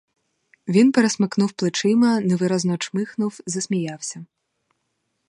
Він пересмикнув плечима, невиразно чмихнув, засміявся.